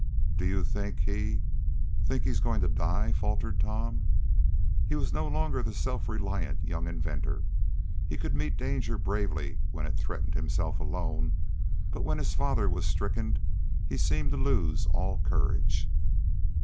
"Do you think he think he's going to die?" faltered Tom. He was no longer the self reliant young inventor. He could meet danger bravely when it threatened himself alone, but when his father was stricken he seemed to lose all courage.